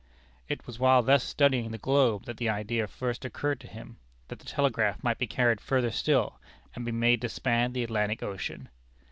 _It was while thus studying the globe that the idea first occurred to him, that the telegraph might be carried further still, and be made to span the Atlantic Ocean.